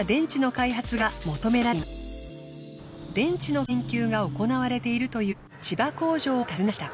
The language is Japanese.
電池の研究が行われているという千葉工場を訪ねました。